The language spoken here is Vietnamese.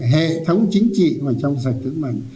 hệ thống chính trị mà trong sạch vững mạnh